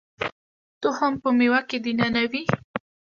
تخم په مېوه کې دننه وي